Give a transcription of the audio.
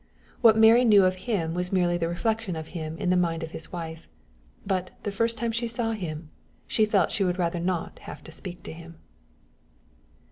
What Mary knew of him was merely the reflection of him in the mind of his wife; but, the first time she saw him, she felt she would rather not have to speak to him.